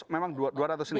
dua ratus memang dua ratus ini